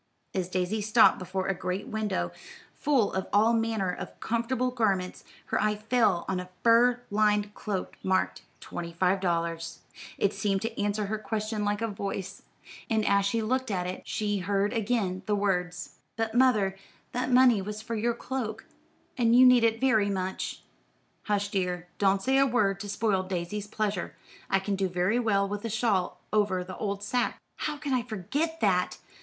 As Daisy stopped before a great window, full of all manner of comfortable garments, her eye fell on a fur lined cloak marked "$25." It seemed to answer her question like a voice, and as she looked at it she heard again the words, "But, mother, that money was for your cloak, and you need it very much." "Hush, dear, don't say a word to spoil Daisy's pleasure. I can do very well with a shawl over the old sack." "How could I forget that!